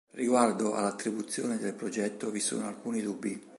Riguardo all'attribuzione del progetto vi sono alcuni dubbi.